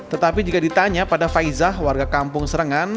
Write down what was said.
tetapi jika ditanya pada faizah warga kampung serengan